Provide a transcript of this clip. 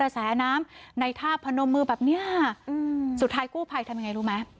แสน้ำในท่าพนมมือแบบเนี้ยอืมสุดท้ายกู้ภัยทำยังไงรู้ไหม